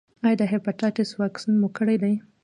ایا د هیپاټایټس واکسین مو کړی دی؟